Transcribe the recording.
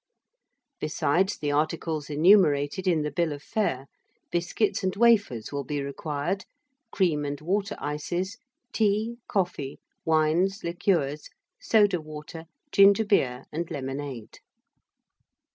Besides the articles enumerated in the bill of fare, biscuits and wafers will be required, cream and water ices, tea, coffee, wines, liqueurs, soda water, ginger beer, and lemonade.